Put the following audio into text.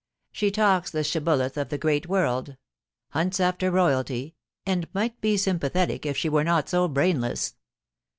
She talks the shibboleth of the great world : hunts after royalty, and might be sympathetic if she were not so brainless.